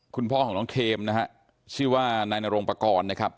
คุณพ่อของน้องเทมนะฮะชื่อว่านายนโรงปกรณ์นะครับ